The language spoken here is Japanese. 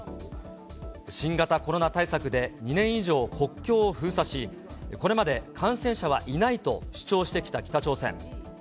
新型コロナ対策で２年以上国境を封鎖し、これまで感染者はいないと主張してきた北朝鮮。